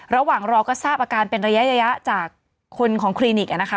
ระหว่างรอก็ทราบอาการเป็นระยะจากคนของคลินิกนะคะ